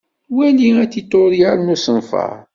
Wali atiṭuryel n usenfaṛ.